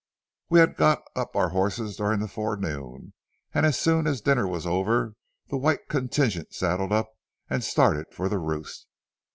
We had got up our horses during the forenoon, and as soon as dinner was over the white contingent saddled up and started for the roost.